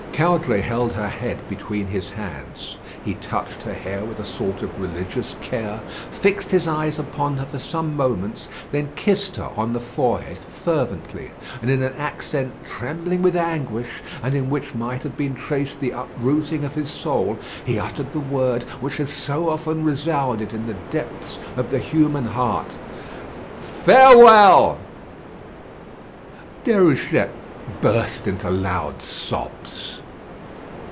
Caudray held her head between his hands. He touched her hair with a sort of religious care, fixed his eyes upon her for some moments, then kissed her on the forehead fervently, and in an accent trembling with anguish, and in which might have been traced the uprooting of his soul, he uttered the word which has so often resounded in the depths of the human heart, "Farewell!" Déruchette burst into loud sobs.